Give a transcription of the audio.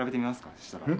そしたら。